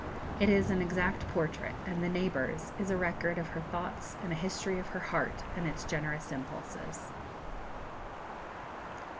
It is an exact portrait; and "The Neighbours" is a record of her thoughts and a history of her heart and its generous impulses.